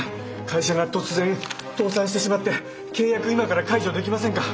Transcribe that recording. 会社が突然倒産してしまって契約今から解除できませんか？